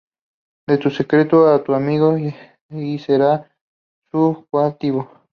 Di tu secreto a tu amigo y serás su cautivo